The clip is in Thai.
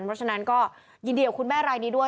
เพราะฉะนั้นก็ยินดีกับคุณแม่รายนี้ด้วย